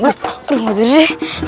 aduh mas diri